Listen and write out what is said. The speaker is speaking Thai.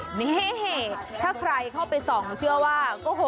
หุ่นแฮ่ห์หุ่นแห่ห์ถ้าใครเข้าไปส่องจะเชื่อว่า